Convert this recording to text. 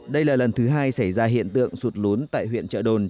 đây là lần thứ hai xảy ra hiện tượng sụt lún tại huyện trợ đồn trong năm nay